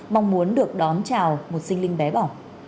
mong muốn được đón chào một sinh linh bé bỏ